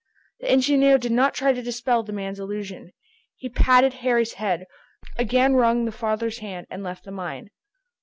The engineer did not try to dispel the man's illusion. He patted Harry's head, again wrung the father's hand, and left the mine.